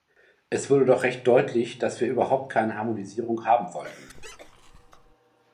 Es wurde doch recht deutlich, dass wir überhaupt keine Harmonisierung haben wollten.